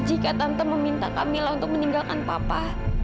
jika tante meminta kamila untuk meninggalkan papa